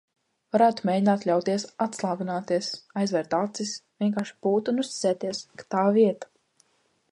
Varētu mēģināt ļauties atslābināties, aizvērt acis, vienkārši būt un uzticēties, ka tā vieta.